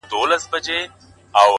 o دا ځلي غواړم لېونی سم د هغې مینه کي ـ